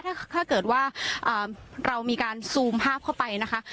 ถ้าเกิดว่าเรามีการซูมภาพเข้าไปนะคะ